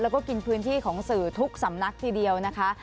แล้วก็กินพื้นที่ของสื่อทุกสำนักทีเดียวนะคะ